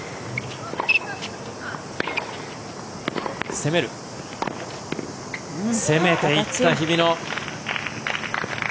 攻めていった日比野。